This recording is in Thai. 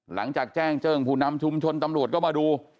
หลังจากแจ้งแจ้งผู้นำชุมชนตำรวจก็มาดู